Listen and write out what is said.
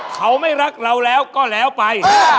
เขาไม่รักเราแล้วก็แล้วไป